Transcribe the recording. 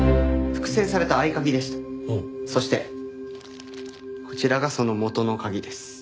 そしてこちらがその元の鍵です。